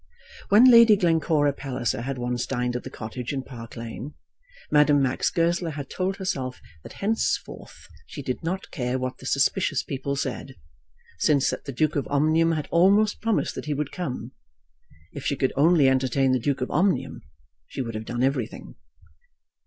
When Lady Glencora Palliser had once dined at the cottage in Park Lane, Madame Max Goesler had told herself that henceforth she did not care what the suspicious people said. Since that the Duke of Omnium had almost promised that he would come. If she could only entertain the Duke of Omnium she would have done everything.